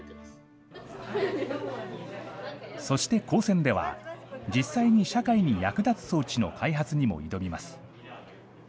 そして高専では、実際に社会に役立つ装置の開発にも挑みます。